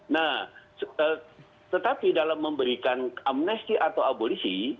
nah tetapi dalam memberikan amnesti atau abolisi